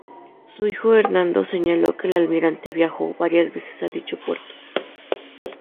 Su hijo Hernando señaló que el Almirante viajó varias veces a dicho puerto.